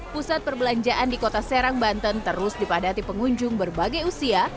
pusat perbelanjaan di kota serang banten terus dipadati pengunjung berbagai usia